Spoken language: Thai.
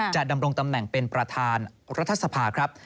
ดำรงตำแหน่งเป็นประธานรัฐสภาครับ